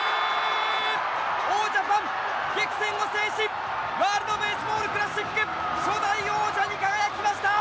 王ジャパン、激戦を制しワールド・ベースボール・クラシック初代王者に輝きました！